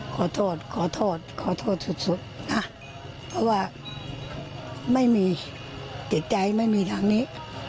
ขอโทษขอโทษสุดนะเพราะว่าไม่มีจิตใจไม่มีทางนี้